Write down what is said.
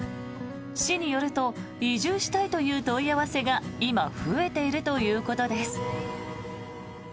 市によると移住したいという問い合わせが今、増えているということです。